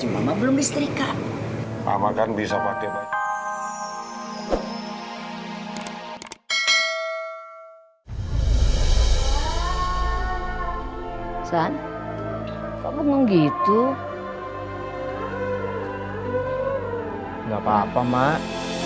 gak apa apa mak